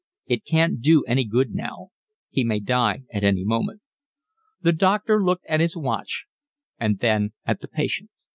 "It can't do any good now, he may die at any moment." The doctor looked at his watch and then at the patient.